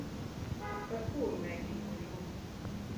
Par kuru Megiju ir runa?